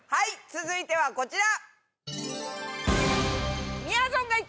続いてはこちら。